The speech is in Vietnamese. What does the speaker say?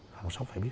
hàng xóm phải biết